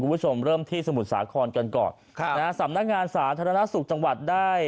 คุณผู้ชมเริ่มที่สมุทรสาครกันก่อนค่ะนะฮะสำนักงานสาธารณสุขจังหวัดได้